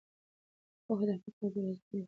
پوهه د فقر او بې وزلۍ دښمنه ده.